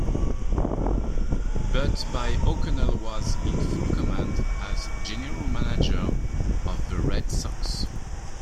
But by O'Connell was in full command as general manager of the Red Sox.